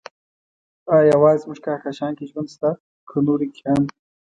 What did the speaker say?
ايا يوازې زموږ کهکشان کې ژوند شته، که نورو کې هم؟